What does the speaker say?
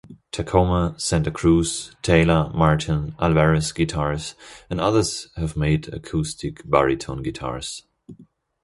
Tacoma, Santa Cruz, Taylor, Martin, Alvarez Guitars and others have made acoustic baritone guitars.